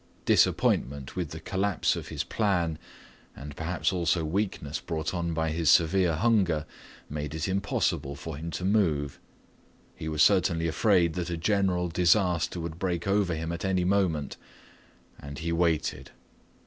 Disappointment with the collapse of his plan and perhaps also weakness brought on by his severe hunger made it impossible for him to move. He was certainly afraid that a general disaster would break over him at any moment, and he waited.